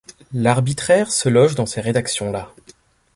L’arbitraire se loge dans ces rédactions-là.